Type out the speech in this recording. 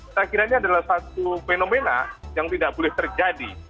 kita kiranya adalah satu fenomena yang tidak boleh terjadi